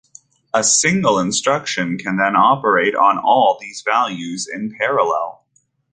A single instruction can then operate on all these values in parallel.